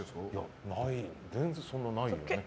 全然、そんなにないよね。